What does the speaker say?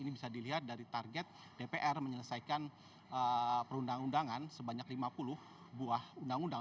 ini bisa dilihat dari target dpr menyelesaikan perundang undangan sebanyak lima puluh buah undang undang